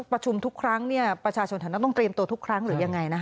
ประชุมทุกครั้งประชาชนแถวนั้นต้องเตรียมตัวทุกครั้งหรือยังไง